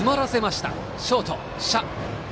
ショート、謝。